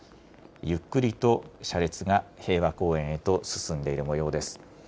ゆっくりと車列が平和公園へと進んでいるもようです。